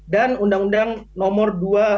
dan undang undang nomor dua